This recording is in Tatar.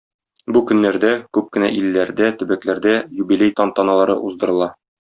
Бу көннәрдә күп кенә илләрдә, төбәкләрдә юбилей тантаналары уздырыла.